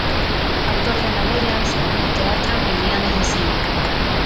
Autor de novelas, obras de teatro y guiones de cine.